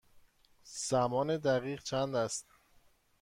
زمان دقیق چند است؟